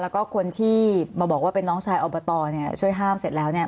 แล้วก็คนที่มาบอกว่าเป็นน้องชายอบตเนี่ยช่วยห้ามเสร็จแล้วเนี่ย